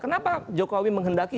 kenapa jokowi menghendaki